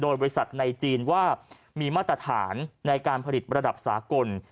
โดยบริษัทในจีนว่ามีมาตรฐานในการผลิตระดับสากล